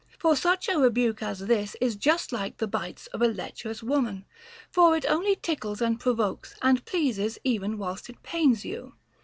For such a rebuke as this is just like the bites of a lecherous woman, for it only tickles and provokes, and pleases even whilst it pains you.